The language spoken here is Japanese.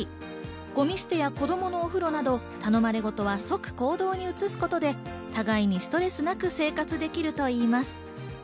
ゴミ捨てや子供のお風呂など、頼まれ事は即行動にうつすことで互いにストレスなく生活できるといいます。